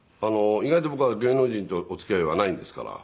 意外と僕は芸能人とお付き合いはないんですから。